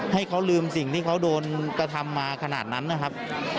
ให้เขาลืมสิ่งที่เขาโดนกระทำมาขนาดนั้นนะครับ